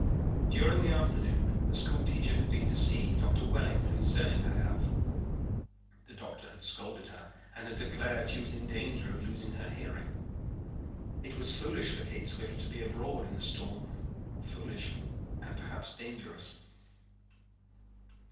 During the afternoon the school teacher had been to see Doctor Welling concerning her health. The doctor had scolded her and had declared she was in danger of losing her hearing. It was foolish for Kate Swift to be abroad in the storm, foolish and perhaps dangerous.